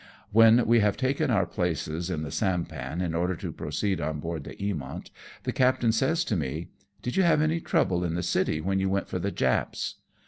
"When we have taken our places in the sampan in order to proceed on board the Eaviont, the captain says to me, " Did you have any trouble in the city when you went for the Japs